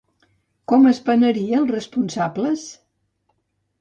Com es penaria els responsables?